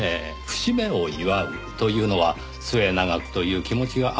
節目を祝うというのは末永くという気持ちがあっての事。